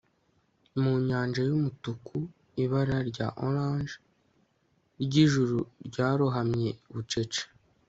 Mu nyanja yumutuku ibara rya orange ryijuru ryarohamye bucece